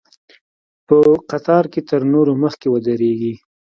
په قطار کې تر نورو مخکې ودرېږي.